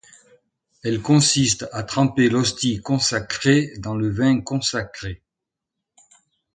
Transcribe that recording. Elle consiste à tremper l'hostie consacrée dans le vin consacré.